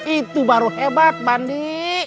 itu baru hebat bandi